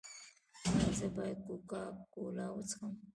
ایا زه باید کوکا کولا وڅښم؟